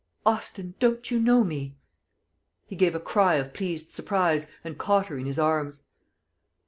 "Austin, don't you know me?" He gave a cry of pleased surprise, and caught her in his arms.